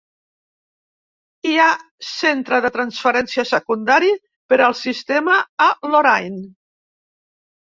Hi ha centre de transferència secundari per al sistema a Lorain.